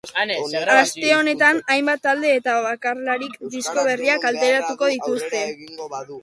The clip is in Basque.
Aste honetan hainbat talde eta bakarlarik disko berriak kaleratuko dituzte.